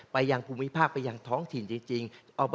ยังภูมิภาคไปยังท้องถิ่นจริง